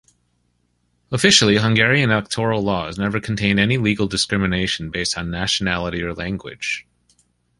Officially, Hungarian electoral laws never contained any legal discrimination based on nationality or language.